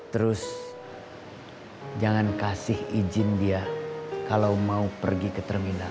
terus jangan kasih izin dia kalau mau pergi ke terminal